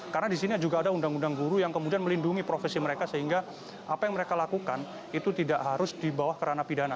karena di sini juga ada undang undang guru yang kemudian melindungi profesi mereka sehingga apa yang mereka lakukan itu tidak harus dibawah kerana pidananya